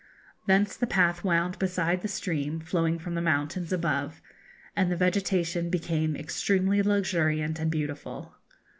Thence the path wound beside the stream flowing from the mountains above, and the vegetation became extremely luxuriant and beautiful.